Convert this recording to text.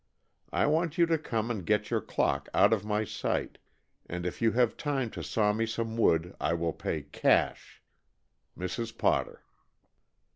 I want you to come and get your clock out of my sight and if you have time to saw me some wood I will pay cash. Mrs. Potter."